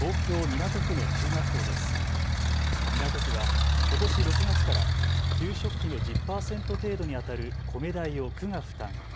港区はことし６月から給食費の１０％程度にあたる米代を区が負担。